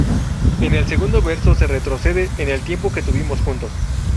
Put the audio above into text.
En el segundo verso se retrocede en el tiempo que tuvimos juntos.